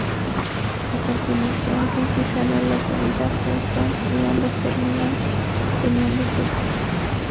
A continuación, Gilly sana las heridas de Sam y ambos terminan teniendo sexo.